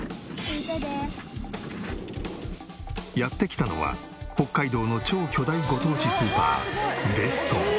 やって来たのは北海道の超巨大ご当地スーパーＢＥＳＴＯＭ。